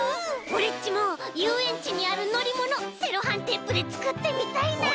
オレっちもゆうえんちにあるのりものセロハンテープでつくってみたいな！